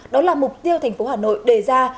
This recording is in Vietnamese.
đó là mục tiêu thành phố hà nội đề ra